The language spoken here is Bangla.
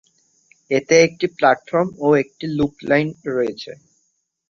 এতে একটি প্ল্যাটফর্ম ও একটি লুপ লাইন রয়েছে।